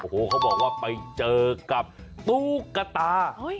โอ้โหเขาบอกว่าไปเจอกับตุ๊กตา